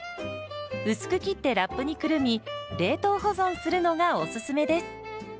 薄く切ってラップにくるみ冷凍保存するのがおすすめです。